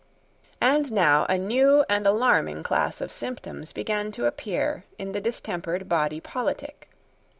And now a new and alarming class of symptoms began to appear in the distempered body politic.